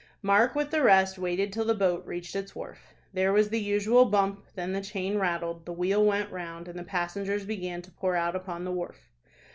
Mark with the rest waited till the boat reached its wharf. There was the usual bump, then the chain rattled, the wheel went round, and the passengers began to pour out upon the wharf.